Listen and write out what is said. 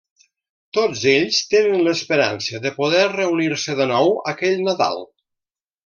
Tots ells tenen l'esperança de poder reunir-se de nou aquell Nadal.